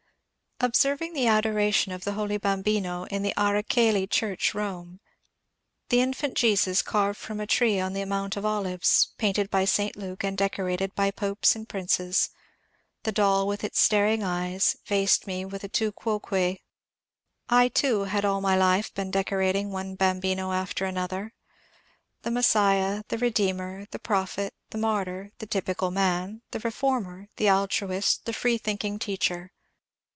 Observing the adoration of the holy Bambino in the Ara Coeli church, Rome, — the infant Jesus carved from a tree on the Mount of Olives, painted by St. Luke, and decorated by popes and princes, — the doll with its staring eyes faced me with a Tu quoque. I, too, had all my life been decorating one Bambino after another, — the Messiah, the Redeemer, the prophet, the martyr, the typical man, the reformer, the altruist, the freethinking teacher.